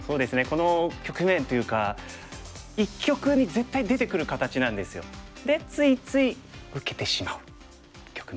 この局面というか一局に絶対出てくる形なんですよ。でついつい受けてしまう局面ですかね。